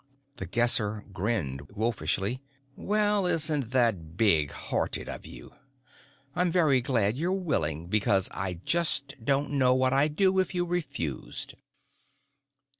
The Guesser grinned wolfishly. "Well, isn't that big hearted of you? I'm very glad you're willing, because I just don't know what I'd do if you refused."